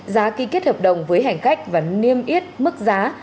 giá ký kết hợp đồng với hành khách và niêm yết mức giá